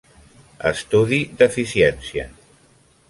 Estudi d'eficiència.